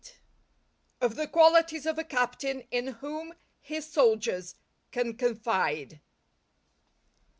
—_Of the Qualities of a Captain in whom his Soldiers can confide.